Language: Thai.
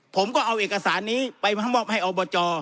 ผมก็เอาเอกสารนี้ไปมอบให้อบจ